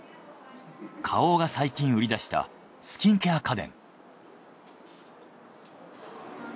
花王が最近売り出したスキンケア家電。